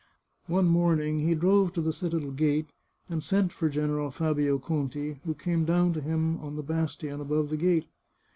One morning he drove to the citadel gate, and sent for General Fabio Conti, who came down to him on the bastion above the gate.